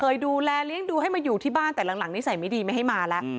ดูแลเลี้ยงดูให้มาอยู่ที่บ้านแต่หลังนิสัยไม่ดีไม่ให้มาแล้ว